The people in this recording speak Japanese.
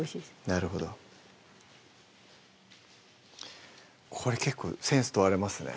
なるほどこれ結構センス問われますね